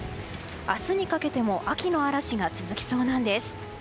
明日にかけても秋の嵐が続きそうなんです。